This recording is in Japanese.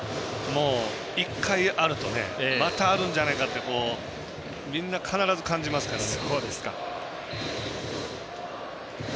１回あるとまたあるんじゃないかってみんな、必ず感じますからね。